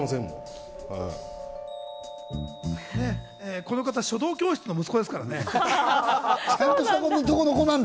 この方、書道教室の息子ですそうなんだ。